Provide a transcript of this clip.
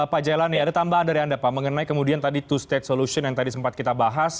pak jailani ada tambahan dari anda pak mengenai kemudian tadi two state solution yang tadi sempat kita bahas